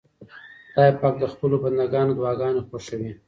خدای پاک د خپلو بندګانو دعاګانې خوښوي.